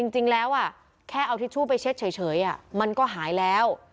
จริงแล้วแค่เอาทิชชู่ไปเช็ดเฉยมันก็หายแล้ว